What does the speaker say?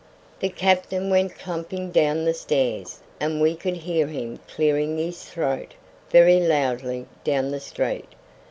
The captain went clumping down the stairs, and we could hear him clearing his throat very loudly down the street.